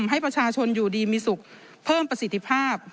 ให้ประชาชนอยู่ดีมีสุขเพิ่มประสิทธิภาพ